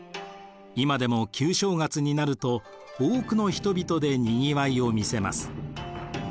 今でも旧正月になると多くの人々でにぎわいを見せます。